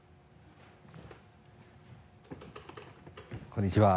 こんにちは。